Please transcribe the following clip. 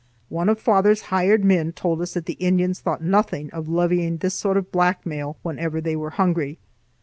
One of father's hired men told us that the Indians thought nothing of levying this sort of blackmail whenever they were hungry.